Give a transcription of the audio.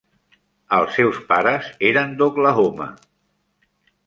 Els seus pares eren d'Oklahoma.